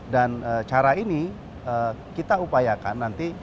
dan cara ini kita upayakan nanti